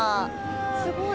すごい。